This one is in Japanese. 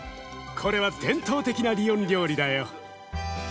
これは伝統的なリヨン料理だよ。